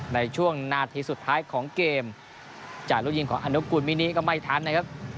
ในช่วงนาทีสุดท้ายของเกมจากลูกยิงของอนุกูลมินิก็ไม่ทันนะครับ